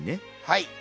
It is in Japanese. はい。